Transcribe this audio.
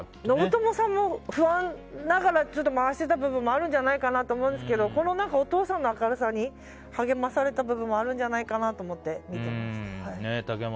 信友さんも、不安ながら回していた部分もあるんじゃないかなと思うんですけどこのお父さんの明るさに励まされた部分もあるんじゃないかなって思って。